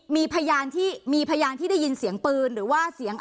มีพยานที่มีพยานที่ได้ยินเสียงปืนหรือว่าเสียง